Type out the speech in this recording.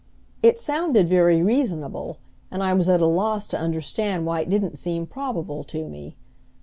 It sounded very reasonable, and I was at a loss to understand why it didn't seem probable to me.